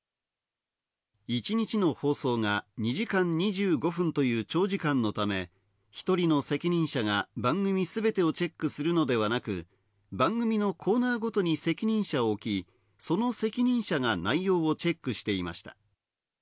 一日の放送が２時間２５分という長時間のため、１人の責任者が番組すべてをチェックするのではなく、番組のコーナーごとに責任者を置き、その責任者が内容をチェックしていました。